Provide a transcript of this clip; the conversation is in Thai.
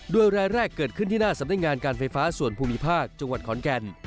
โดยรายแรกเกิดขึ้นที่หน้าสำนักงานการไฟฟ้าส่วนภูมิภาคจังหวัดขอนแก่น